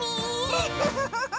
ウフフフフッ！